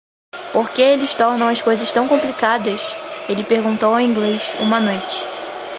"Por que eles tornam as coisas tão complicadas?" Ele perguntou ao inglês uma noite.